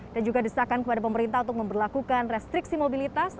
dan juga disatakan kepada pemerintah untuk memperlakukan restriksi mobilitas